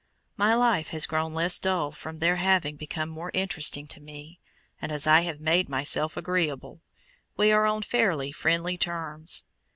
My life has grown less dull from their having become more interesting to me, and as I have "made myself agreeable," we are on fairly friendly terms.